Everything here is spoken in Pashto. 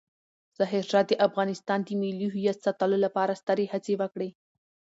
ظاهرشاه د افغانستان د ملي هویت ساتلو لپاره سترې هڅې وکړې.